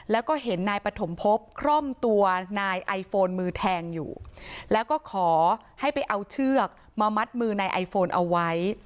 แล้วก็เห็นนายปฐมพบคร่อมตัวนายไอโฟนมือแทงอยู่แล้วก็ขอให้ไปเอาเชือกมามัดมือนายไอโฟนเอาไว้